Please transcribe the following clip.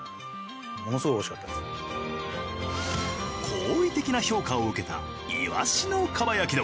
好意的な評価を受けたいわしの蒲焼き丼。